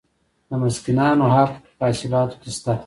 د مسکینانو حق په حاصلاتو کې شته.